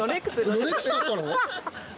ロレックス買ったの？